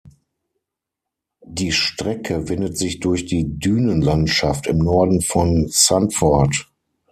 Die Strecke windet sich durch die Dünenlandschaft im Norden von Zandvoort.